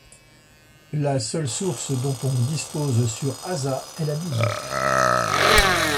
La seule source dont on dispose sur Asa est la Bible.